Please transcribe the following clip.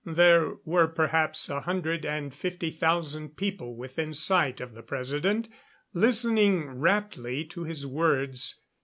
There were perhaps a hundred and fifty thousand people within sight of the President, listening raptly to his words.